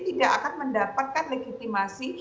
tidak akan mendapatkan legitimasi